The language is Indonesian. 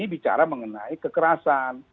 bicara mengenai kekerasan